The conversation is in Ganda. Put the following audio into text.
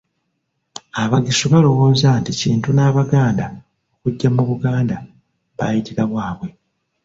Abagisu balowooza nti Kintu n'Abaganda okujja mu Buganda baayitira waabwe.